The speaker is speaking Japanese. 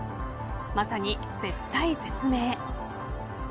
まさに絶体絶命。